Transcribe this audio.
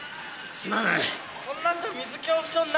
すまない。